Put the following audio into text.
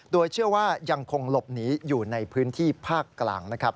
โดยเชื่อว่ายังคงหลบหนีอยู่ในพื้นที่ภาคกลางนะครับ